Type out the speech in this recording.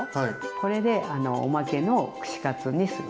これであのおまけの串カツにする。